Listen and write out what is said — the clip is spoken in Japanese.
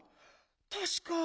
たしか。